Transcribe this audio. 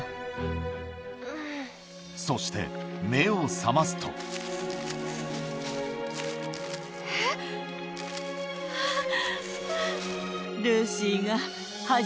そして目を覚ますとえっ？あっ。